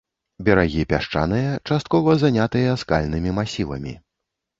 Берагі пясчаныя, часткова занятыя скальнымі масівамі.